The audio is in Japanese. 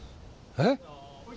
えっ？